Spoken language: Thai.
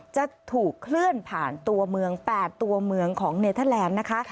จะถูกเคลื่อนผ่านตัวเมือง๘ตัวเมืองของเนเทอร์แลนด์นะคะ